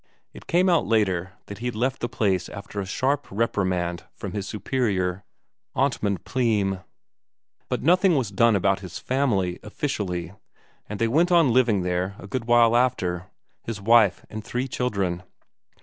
It came out later that he had left the place after a sharp reprimand from his superior, Amtmand Pleym; but nothing was done about his family officially, and they went on living there, a good while after his wife and three children.